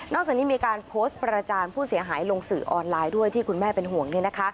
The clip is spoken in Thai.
จากนี้มีการโพสต์ประจานผู้เสียหายลงสื่อออนไลน์ด้วยที่คุณแม่เป็นห่วง